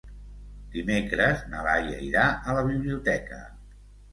Dimecres na Laia irà a la biblioteca.